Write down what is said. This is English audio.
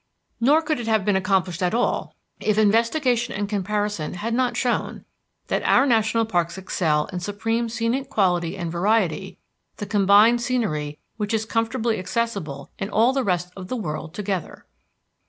Nor could it have been accomplished at all if investigation and comparison had not shown that our national parks excel in supreme scenic quality and variety the combined scenery which is comfortably accessible in all the rest of the world together.